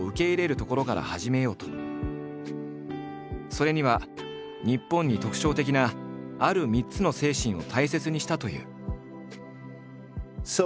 それには日本に特徴的なある３つの精神を大切にしたという。